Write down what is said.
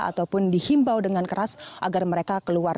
ataupun dihimbau dengan keras agar mereka keluar